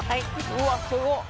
うわすごっ！